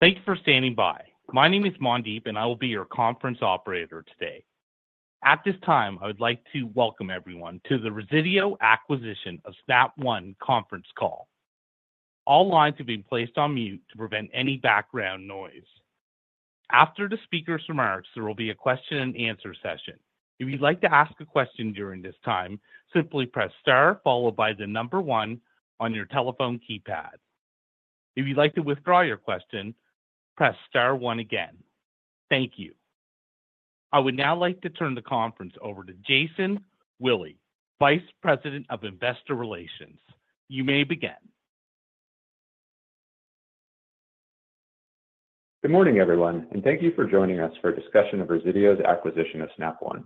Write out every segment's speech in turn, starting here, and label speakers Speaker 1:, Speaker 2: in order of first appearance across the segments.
Speaker 1: Thanks for standing by. My name is Mandeep, and I will be your conference operator today. At this time, I would like to welcome everyone to the Resideo Acquisition of Snap One conference call. All lines have been placed on mute to prevent any background noise. After the speaker's remarks, there will be a question and answer session. If you'd like to ask a question during this time, simply press star followed by the number one on your telephone keypad. If you'd like to withdraw your question, press star one again. Thank you. I would now like to turn the conference over to Jason Willey, Vice President of Investor Relations. You may begin.
Speaker 2: Good morning, everyone, and thank you for joining us for a discussion of Resideo's acquisition of Snap One.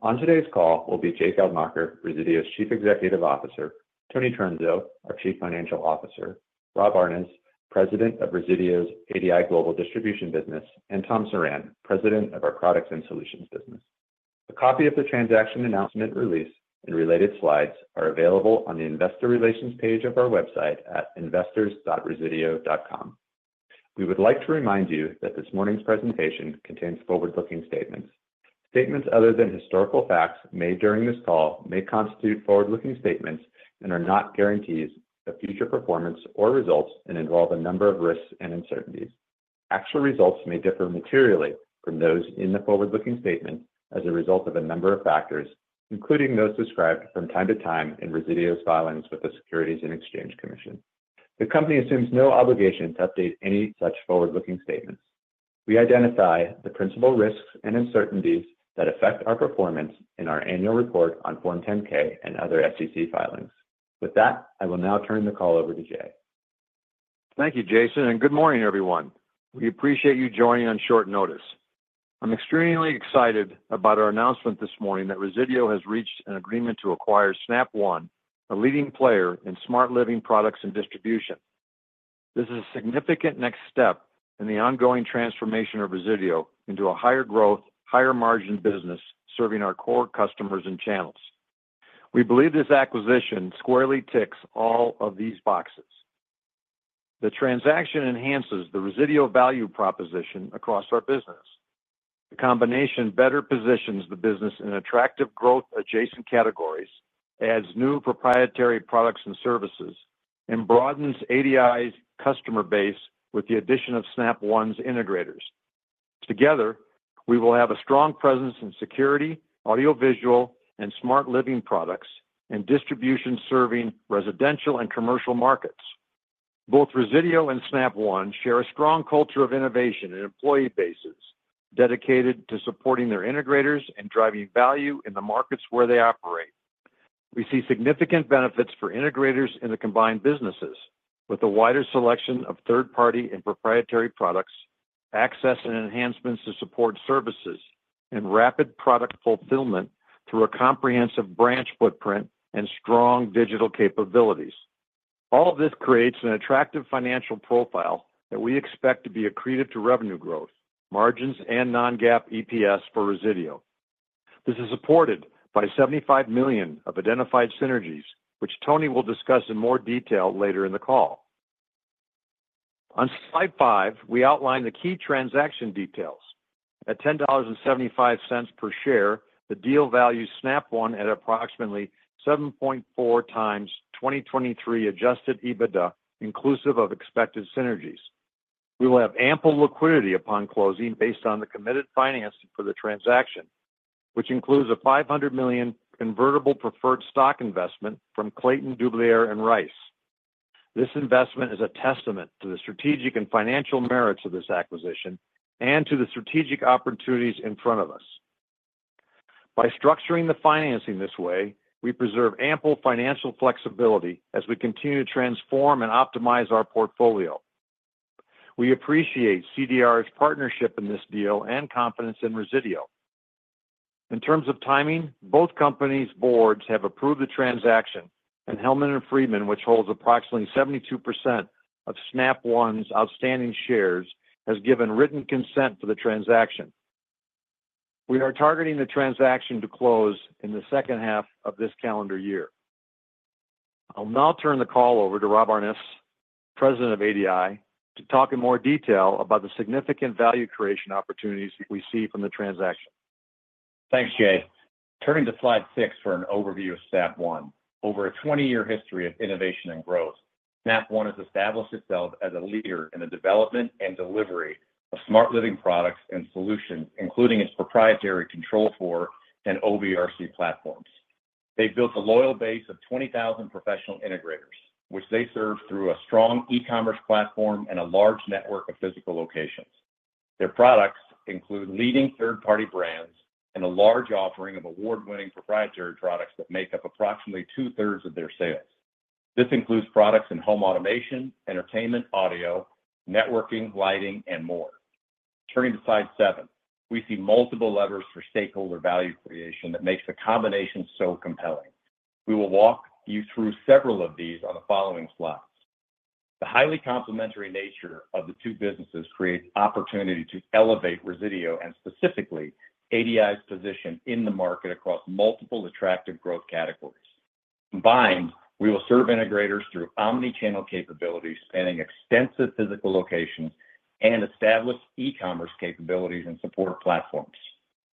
Speaker 2: On today's call will be Jay Geldmacher, Resideo's Chief Executive Officer, Tony Trunzo, our Chief Financial Officer, Rob Aarnes, President of Resideo's ADI Global Distribution business, and Tom Surran, President of our Products and Solutions business. A copy of the transaction announcement release and related slides are available on the investor relations page of our website at investors.resideo.com. We would like to remind you that this morning's presentation contains forward-looking statements. Statements other than historical facts made during this call may constitute forward-looking statements and are not guarantees of future performance or results and involve a number of risks and uncertainties. Actual results may differ materially from those in the forward-looking statement as a result of a number of factors, including those described from time to time in Resideo's filings with the Securities and Exchange Commission. The company assumes no obligation to update any such forward-looking statements. We identify the principal risks and uncertainties that affect our performance in our annual report on Form 10-K and other SEC filings. With that, I will now turn the call over to Jay.
Speaker 3: Thank you, Jason, and good morning, everyone. We appreciate you joining on short notice. I'm extremely excited about our announcement this morning that Resideo has reached an agreement to acquire Snap One, a leading player in smart living products and distribution. This is a significant next step in the ongoing transformation of Resideo into a higher growth, higher margin business, serving our core customers and channels. We believe this acquisition squarely ticks all of these boxes. The transaction enhances the Resideo value proposition across our business. The combination better positions the business in attractive growth adjacent categories, adds new proprietary products and services, and broadens ADI's customer base with the addition of Snap One's integrators. Together, we will have a strong presence in security, audiovisual, and smart living products, and distribution serving residential and commercial markets. Both Resideo and Snap One share a strong culture of innovation and employee bases dedicated to supporting their integrators and driving value in the markets where they operate. We see significant benefits for integrators in the combined businesses with a wider selection of third-party and proprietary products, access and enhancements to support services, and rapid product fulfillment through a comprehensive branch footprint and strong digital capabilities. All of this creates an attractive financial profile that we expect to be accretive to revenue growth, margins, and non-GAAP EPS for Resideo. This is supported by $75 million of identified synergies, which Tony will discuss in more detail later in the call. On slide 5, we outline the key transaction details. At $10.75 per share, the deal values Snap One at approximately 7.4x 2023 Adjusted EBITDA, inclusive of expected synergies. We will have ample liquidity upon closing based on the committed financing for the transaction, which includes a $500 million convertible preferred stock investment from Clayton, Dubilier & Rice. This investment is a testament to the strategic and financial merits of this acquisition and to the strategic opportunities in front of us. By structuring the financing this way, we preserve ample financial flexibility as we continue to transform and optimize our portfolio. We appreciate CD&R's partnership in this deal and confidence in Resideo. In terms of timing, both companies' boards have approved the transaction, and Hellman & Friedman, which holds approximately 72% of Snap One's outstanding shares, has given written consent for the transaction. We are targeting the transaction to close in the second half of this calendar year. I'll now turn the call over to Rob Aarnes, President of ADI, to talk in more detail about the significant value creation opportunities we see from the transaction.
Speaker 4: Thanks, Jay. Turning to slide 6 for an overview of Snap One. Over a 20-year history of innovation and growth, Snap One has established itself as a leader in the development and delivery of smart living Products and Solutions, including its proprietary Control4 and OvrC platforms. They've built a loyal base of 20,000 professional integrators, which they serve through a strong e-commerce platform and a large network of physical locations. Their products include leading third-party brands and a large offering of award-winning proprietary products that make up approximately two-thirds of their sales. This includes products in home automation, entertainment, audio, networking, lighting, and more. Turning to slide 7, we see multiple levers for stakeholder value creation that makes the combination so compelling. We will walk you through several of these on the following slides. The highly complementary nature of the two businesses creates opportunity to elevate Resideo, and specifically ADI's position in the market across multiple attractive growth categories. Combined, we will serve integrators through omni-channel capabilities, spanning extensive physical locations and established e-commerce capabilities and support platforms.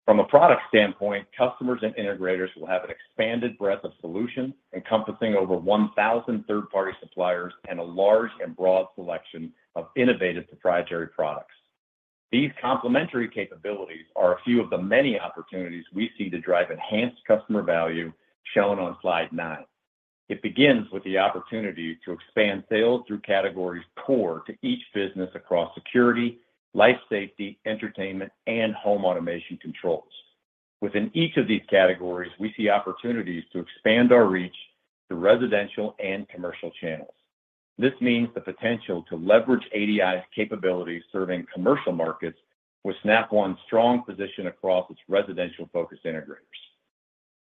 Speaker 4: From a product standpoint, customers and integrators will have an expanded breadth of solutions, encompassing over 1,000 third-party suppliers and a large and broad selection of innovative proprietary products. These complementary capabilities are a few of the many opportunities we see to drive enhanced customer value, shown on slide 9. It begins with the opportunity to expand sales through categories core to each business across security, life safety, entertainment, and home automation controls. Within each of these categories, we see opportunities to expand our reach to residential and commercial channels. This means the potential to leverage ADI's capabilities serving commercial markets with Snap One's strong position across its residential-focused integrators.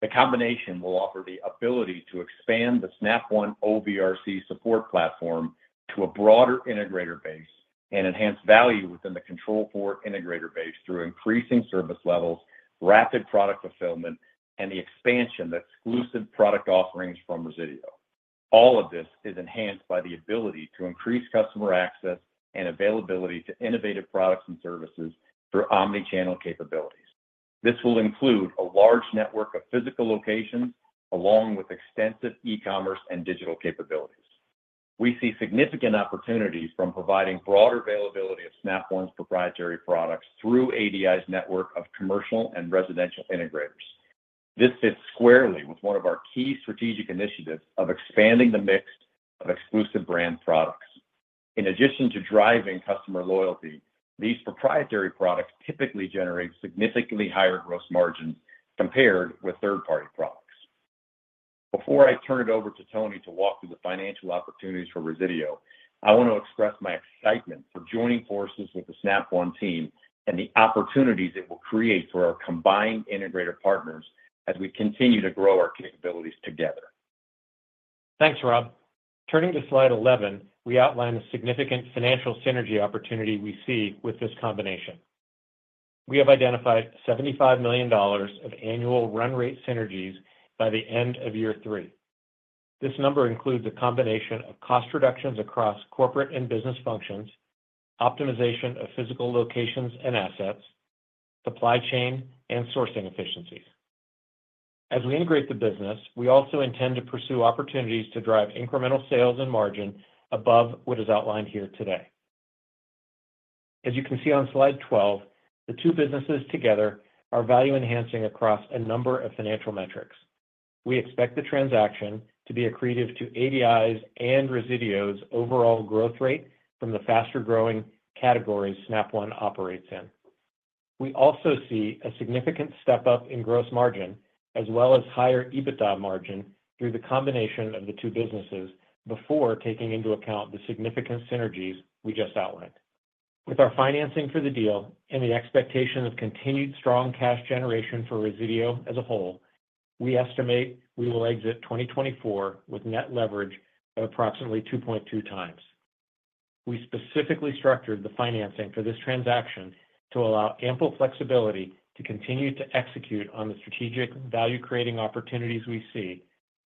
Speaker 4: The combination will offer the ability to expand the Snap One OvrC support platform to a broader integrator base and enhance value within the Control4 integrator base through increasing service levels, rapid product fulfillment, and the expansion of exclusive product offerings from Resideo. All of this is enhanced by the ability to increase customer access and availability to innovative products and services through omni-channel capabilities. This will include a large network of physical locations, along with extensive e-commerce and digital capabilities. We see significant opportunities from providing broader availability of Snap One's proprietary products through ADI's network of commercial and residential integrators. This fits squarely with one of our key strategic initiatives of expanding the mix of exclusive brand products. In addition to driving customer loyalty, these proprietary products typically generate significantly higher gross margins compared with third-party products. Before I turn it over to Tony to walk through the financial opportunities for Resideo, I want to express my excitement for joining forces with the Snap One team and the opportunities it will create for our combined integrator partners as we continue to grow our capabilities together.
Speaker 5: Thanks, Rob. Turning to slide 11, we outline the significant financial synergy opportunity we see with this combination. We have identified $75 million of annual run rate synergies by the end of year three. This number includes a combination of cost reductions across corporate and business functions, optimization of physical locations and assets, supply chain, and sourcing efficiencies. As we integrate the business, we also intend to pursue opportunities to drive incremental sales and margin above what is outlined here today. As you can see on Slide 12, the two businesses together are value-enhancing across a number of financial metrics. We expect the transaction to be accretive to ADI's and Resideo's overall growth rate from the faster-growing categories Snap One operates in. We also see a significant step-up in gross margin, as well as higher EBITDA margin through the combination of the two businesses before taking into account the significant synergies we just outlined. With our financing for the deal and the expectation of continued strong cash generation for Resideo as a whole, we estimate we will exit 2024 with net leverage of approximately 2.2 times. We specifically structured the financing for this transaction to allow ample flexibility to continue to execute on the strategic value-creating opportunities we see,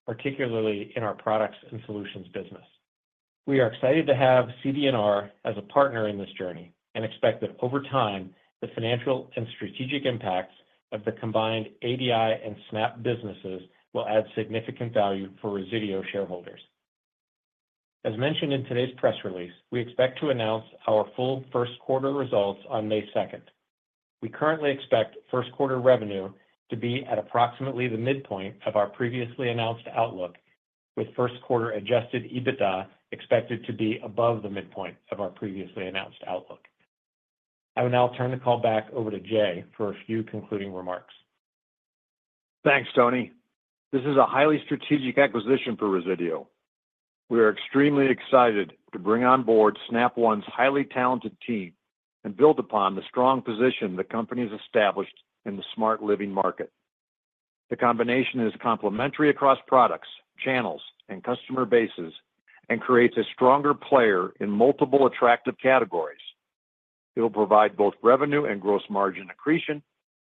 Speaker 5: particularly in our Products and Solutions business. We are excited to have CD&R as a partner in this journey and expect that over time, the financial and strategic impacts of the combined ADI and Snap businesses will add significant value for Resideo shareholders. As mentioned in today's press release, we expect to announce our full first quarter results on May second. We currently expect first quarter revenue to be at approximately the midpoint of our previously announced outlook, with first quarter Adjusted EBITDA expected to be above the midpoint of our previously announced outlook. I will now turn the call back over to Jay for a few concluding remarks.
Speaker 3: Thanks, Tony. This is a highly strategic acquisition for Resideo. We are extremely excited to bring on board Snap One's highly talented team and build upon the strong position the company has established in the smart living market. The combination is complementary across products, channels, and customer bases and creates a stronger player in multiple attractive categories. It will provide both revenue and gross margin accretion,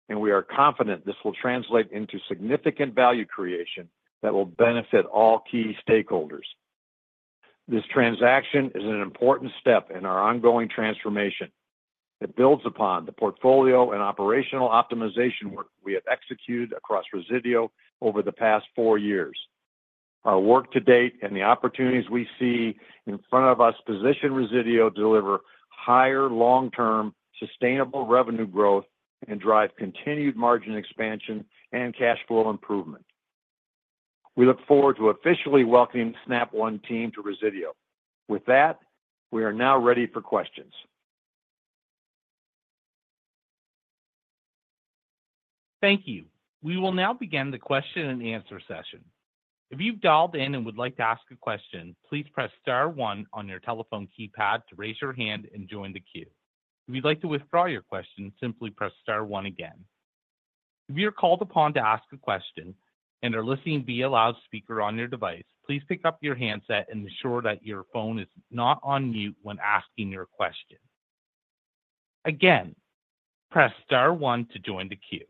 Speaker 3: and we are confident this will translate into significant value creation that will benefit all key stakeholders. This transaction is an important step in our ongoing transformation. It builds upon the portfolio and operational optimization work we have executed across Resideo over the past four years. Our work to date and the opportunities we see in front of us position Resideo to deliver higher, long-term, sustainable revenue growth and drive continued margin expansion and cash flow improvement. We look forward to officially welcoming Snap One team to Resideo. With that, we are now ready for questions.
Speaker 1: Thank you. We will now begin the question and answer session. If you've dialed in and would like to ask a question, please press star one on your telephone keypad to raise your hand and join the queue. If you'd like to withdraw your question, simply press star one again. If you're called upon to ask a question and are listening via loudspeaker on your device, please pick up your handset and ensure that your phone is not on mute when asking your question. Again, press star one to join the queue.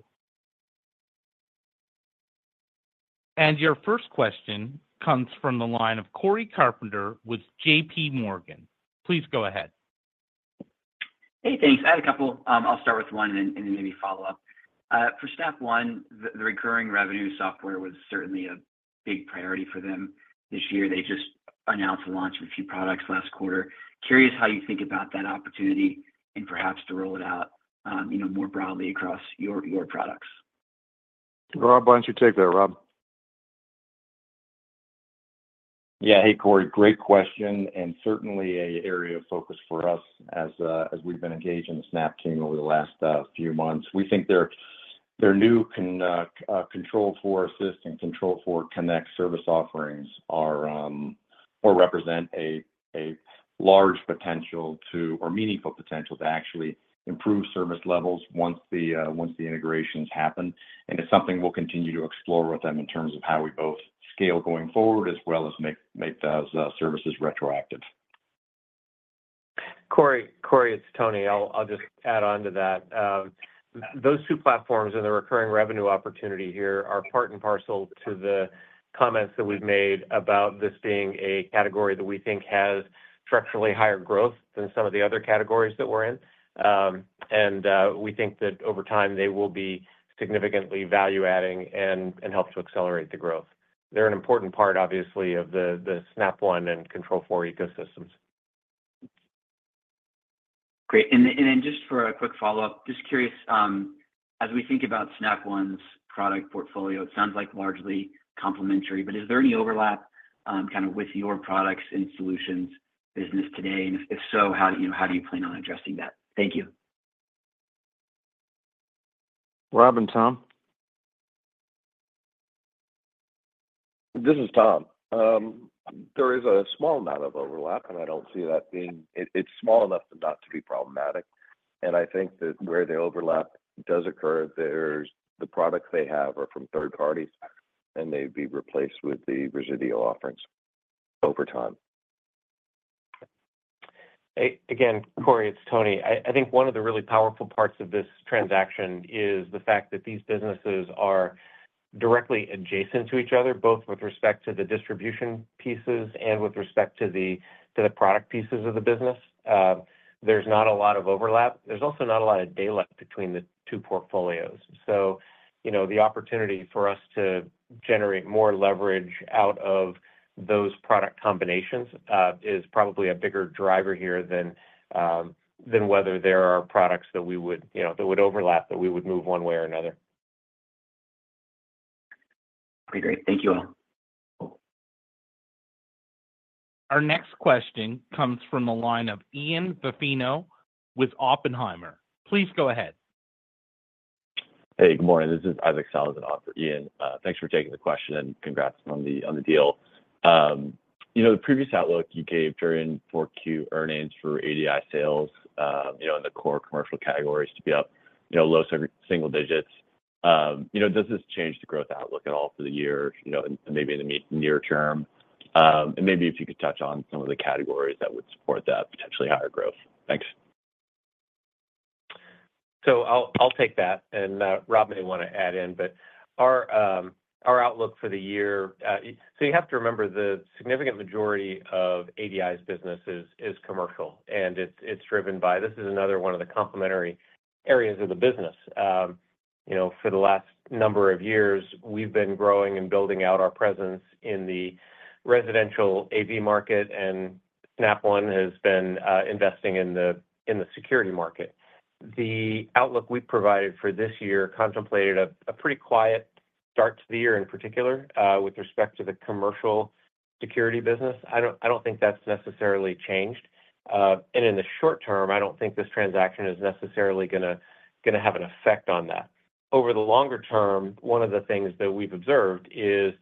Speaker 1: Your first question comes from the line of Cory Carpenter with JPMorgan. Please go ahead.
Speaker 6: Hey, thanks. I had a couple. I'll start with one and then maybe follow up. For Snap One, the recurring revenue software was certainly a big priority for them this year. They just announced the launch of a few products last quarter. Curious how you think about that opportunity and perhaps to roll it out, you know, more broadly across your products.
Speaker 3: Rob, why don't you take that, Rob?
Speaker 4: Yeah. Hey, Cory. Great question, and certainly a area of focus for us as, as we've been engaged in the Snap team over the last, few months. We think their, their new Control4 Assist and Control4 Connect service offerings are, or represent a, a large potential to or meaningful potential to actually improve service levels once the, once the integrations happen, and it's something we'll continue to explore with them in terms of how we both scale going forward, as well as make, make those, services retroactive.
Speaker 5: Cory, Cory, it's Tony. I'll just add on to that. Those two platforms and the recurring revenue opportunity here are part and parcel to the comments that we've made about this being a category that we think has structurally higher growth than some of the other categories that we're in. We think that over time, they will be significantly value adding and help to accelerate the growth. They're an important part, obviously, of the Snap One and Control4 ecosystems.
Speaker 6: Great. Then just for a quick follow-up, just curious, as we think about Snap One's product portfolio, it sounds like largely complementary, but is there any overlap, kinda with your Products and Solutions business today? And if so, how do you plan on addressing that? Thank you.
Speaker 3: Rob and Tom?
Speaker 4: This is Tom. There is a small amount of overlap, and I don't see that being problematic. It's small enough not to be problematic, and I think that where the overlap does occur, there, the products they have are from third parties, and they'd be replaced with the Resideo offerings over time.
Speaker 5: Hey, again, Cory, it's Tony. I, I think one of the really powerful parts of this transaction is the fact that these businesses are directly adjacent to each other, both with respect to the distribution pieces and with respect to the, to the product pieces of the business. There's not a lot of overlap. There's also not a lot of daylight between the two portfolios. So, you know, the opportunity for us to generate more leverage out of those product combinations is probably a bigger driver here than whether there are products that we would, you know, that would overlap, that we would move one way or another.
Speaker 6: Okay, great. Thank you all.
Speaker 1: Our next question comes from the line of Ian Zaffino with Oppenheimer. Please go ahead.
Speaker 7: Hey, good morning. This is Isaac Sellhausen on for Ian. Thanks for taking the question, and congrats on the, on the deal. You know, the previous outlook you gave during 4Q earnings for ADI sales, you know, in the core commercial categories to be up, you know, low single digits. You know, does this change the growth outlook at all for the year, you know, and maybe in the near term? And maybe if you could touch on some of the categories that would support that potentially higher growth. Thanks.
Speaker 5: So I'll take that, and Rob may wanna add in, but our outlook for the year. So you have to remember, the significant majority of ADI's businesses is commercial, and it's driven by this. This is another one of the complementary areas of the business. You know, for the last number of years, we've been growing and building out our presence in the residential AV market, and Snap One has been investing in the security market. The outlook we provided for this year contemplated a pretty quiet start to the year, in particular, with respect to the commercial security business. I don't think that's necessarily changed. And in the short term, I don't think this transaction is necessarily gonna have an effect on that. Over the longer term, one of the things that we've observed is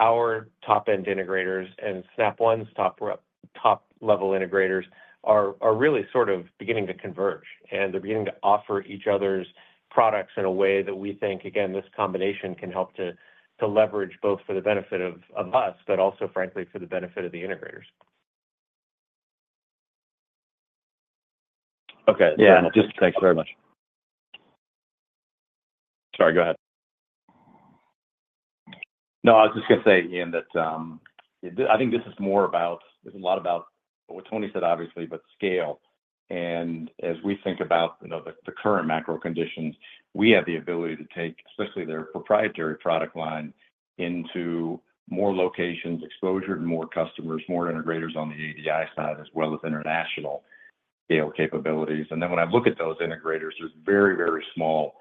Speaker 5: our top-end integrators and Snap One's top-level integrators are, are really sort of beginning to converge, and they're beginning to offer each other's products in a way that we think, again, this combination can help to, to leverage, both for the benefit of, of us, but also, frankly, for the benefit of the integrators.
Speaker 7: Okay.
Speaker 4: Yeah, just-
Speaker 6: Thanks very much.
Speaker 5: Sorry, go ahead.
Speaker 4: No, I was just gonna say, Ian, that I think this is more about, this is a lot about what Tony said, obviously, but scale. And as we think about, you know, the current macro conditions, we have the ability to take, especially their proprietary product line, into more locations, exposure to more customers, more integrators on the ADI side, as well as international scale capabilities. And then when I look at those integrators, there's very, very small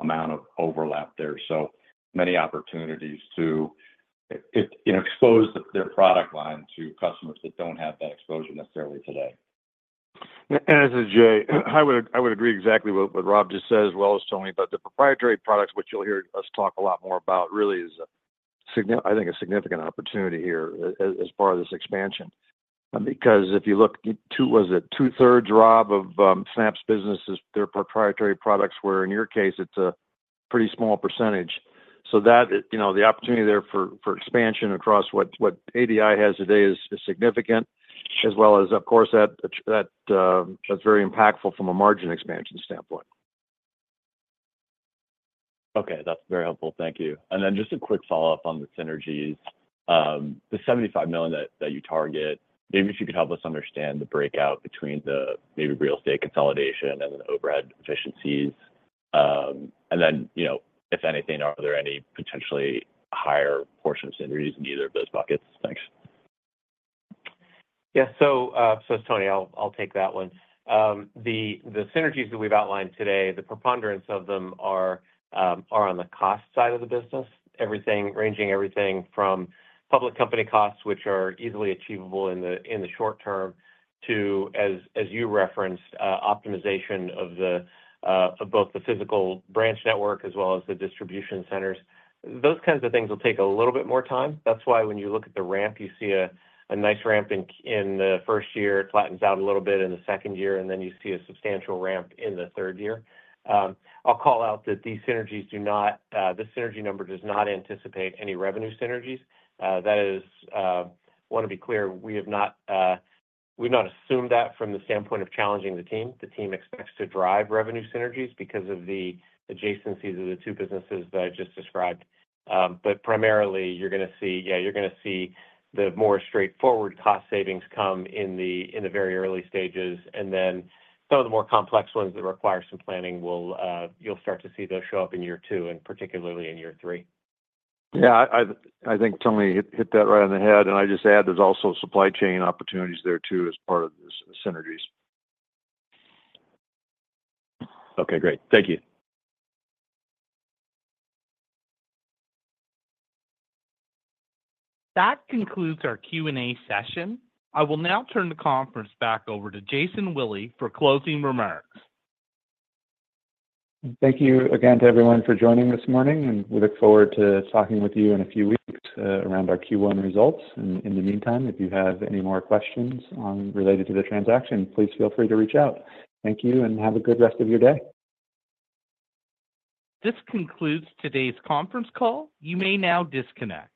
Speaker 4: amount of overlap there, so many opportunities to, you know, expose their product line to customers that don't have that exposure necessarily today.
Speaker 3: This is Jay. I would agree exactly what Rob just said, as well as Tony. The proprietary products, which you'll hear us talk a lot more about, really is a significant opportunity here as far as this expansion. Because if you look at two-thirds, Rob, of Snap's businesses, their proprietary products, where in your case, it's a pretty small percentage? So that, you know, the opportunity there for expansion across what ADI has today is significant, as well as, of course, that that's very impactful from a margin expansion standpoint.
Speaker 7: Okay, that's very helpful. Thank you. And then just a quick follow-up on the synergies. The $75 million that you target, maybe if you could help us understand the breakout between the maybe real estate consolidation and the overhead efficiencies. And then, you know, if anything, are there any potentially higher portion of synergies in either of those buckets? Thanks.
Speaker 5: Yeah. So, Tony, I'll take that one. The synergies that we've outlined today, the preponderance of them are on the cost side of the business. Everything ranging from public company costs, which are easily achievable in the short term, to, as you referenced, optimization of both the physical branch network as well as the distribution centers. Those kinds of things will take a little bit more time. That's why when you look at the ramp, you see a nice ramp in the first year, it flattens out a little bit in the second year, and then you see a substantial ramp in the third year. I'll call out that these synergies do not. This synergy number does not anticipate any revenue synergies. That is, I wanna be clear, we have not, we've not assumed that from the standpoint of challenging the team. The team expects to drive revenue synergies because of the adjacencies of the two businesses that I just described. But primarily, you're gonna see, yeah, you're gonna see the more straightforward cost savings come in the very early stages, and then some of the more complex ones that require some planning will, you'll start to see those show up in year two, and particularly in year three.
Speaker 3: Yeah, I think Tony hit that right on the head. I'd just add, there's also supply chain opportunities there, too, as part of the synergies.
Speaker 6: Okay, great. Thank you.
Speaker 1: That concludes our Q&A session. I will now turn the conference back over to Jason Willey for closing remarks.
Speaker 2: Thank you again to everyone for joining this morning, and we look forward to talking with you in a few weeks around our Q1 results. In the meantime, if you have any more questions on related to the transaction, please feel free to reach out. Thank you, and have a good rest of your day.
Speaker 1: This concludes today's conference call. You may now disconnect.